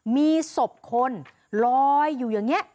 มีศพคนลอยอยู่อย่างนี้